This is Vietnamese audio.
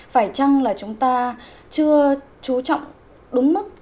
phải chăng là chúng ta chưa chú trọng đúng mức